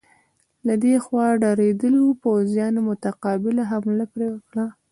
له دې خوا ډارېدلو پوځیانو متقابله حمله پرې وکړه.